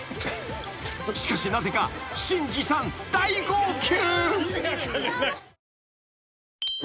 ［しかしなぜか真司さん大号泣］